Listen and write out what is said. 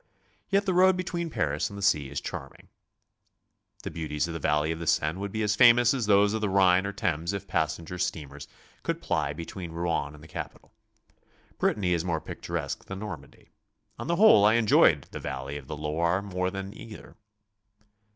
Yet the road between Paris and the sea is charming. The beau ties of the valley of the Seine would be as famtous as those of the Rhine or Thames if passenger steamers could ply between Rouen and the capitol. Brittany is more picturesque than Normandy. On the whole I enjoyed the valley of the Loire more than either.